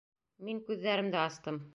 Мин күҙҙәремде астым.